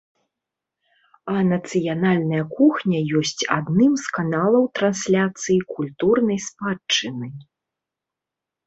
А нацыянальная кухня ёсць адным з каналаў трансляцыі культурнай спадчыны.